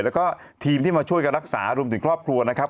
แล้วก็ทีมที่มาช่วยกันรักษารวมถึงครอบครัวนะครับ